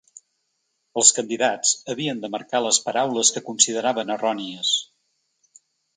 Els candidats havien de marcar les paraules que consideraven errònies.